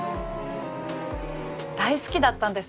大好きだったんです